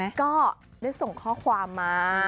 เรียกว่าได้ส่งข้อความมา